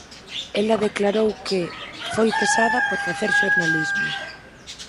Ela declarou que "foi cesada por facer xornalismo".